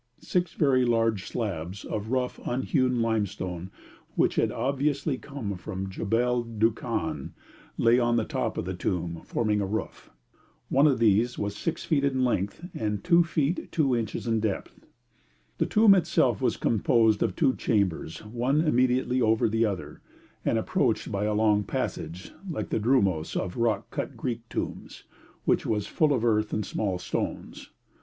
Six very large slabs of rough unhewn limestone, which had obviously come from Jebel Dukhan, lay on the top of the tomb, forming a roof. One of these was 6 feet in length, and 2 feet 2 inches in depth. The tomb itself was composed of two chambers, one immediately over the other, and approached by a long passage, like the dromos of rock cut Greek tombs, which was full of earth and small stones.